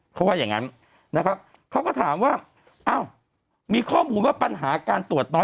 เขาว่าอย่างนั้นนะครับเขาก็ถามว่าอ้าวมีข้อมูลว่าปัญหาการตรวจน้อย